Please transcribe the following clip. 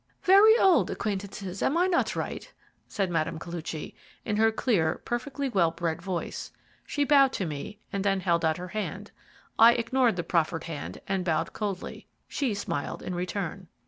"Very old acquaintances, am I not right?" said Mme. Koluchy, in her clear, perfectly well bred voice. She bowed to me and then held out her hand. I ignored the proffered hand and bowed coldly. She smiled in return.